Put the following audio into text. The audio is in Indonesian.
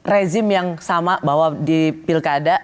rezim yang sama bahwa di pilkada